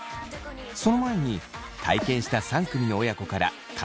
その前に体験した３組の親子から感想を。